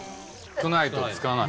少ないとくっつかない。